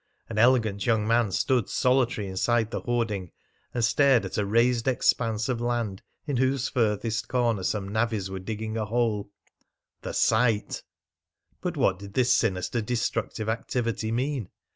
An elegant young man stood solitary inside the hoarding and stared at a razed expanse of land in whose furthest corner some navvies were digging a hole.... The site! But what did this sinister destructive activity mean?